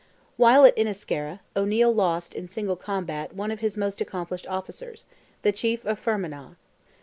While at Inniscarra, O'Neil lost in single combat one of his most accomplished officers, the chief of Fermanagh.